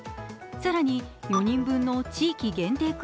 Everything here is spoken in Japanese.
更に、４人分の地域限定